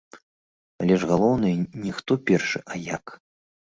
Але ж галоўнае, не хто першы, а як.